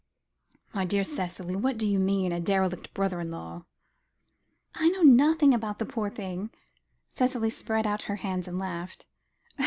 "My dear Cicely, what do you mean a derelict brother in law?" "I know nothing about the poor thing," Cicely spread out her hands, and laughed.